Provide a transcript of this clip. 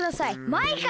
マイカ！